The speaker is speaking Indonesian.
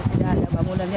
sudah ada pemudangnya